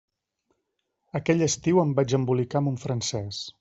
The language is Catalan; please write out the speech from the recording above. Aquell estiu em vaig embolicar amb un francès.